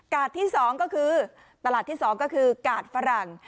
กาดที่๒ก็คือกาดฝรั่ง